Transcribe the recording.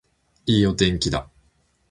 いいお天気だ